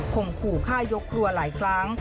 มขู่ฆ่ายกครัวหลายครั้ง